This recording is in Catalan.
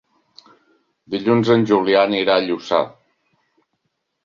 Dilluns en Julià anirà a Lluçà.